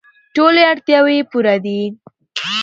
ټولې اړتیاوې یې پوره دي.